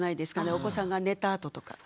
お子さんが寝たあととか。